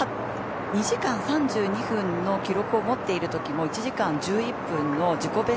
２時間３２分の記録を持っているときも１時間１１分の自己